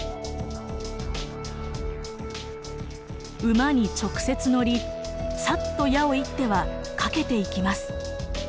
馬に直接乗りサッと矢を射っては駆けていきます。